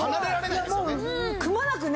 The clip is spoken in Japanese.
いやもうくまなくね。